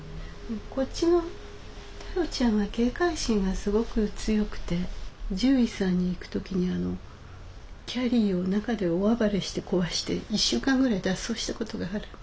こっちのタロちゃんは警戒心がすごく強くて獣医さんに行く時にキャリーを中で大暴れして壊して１週間ぐらい脱走したことがある。